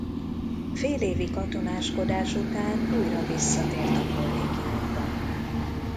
Félévi katonáskodás után újra visszatért a kollégiumba.